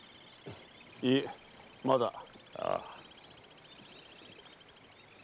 いえまだ。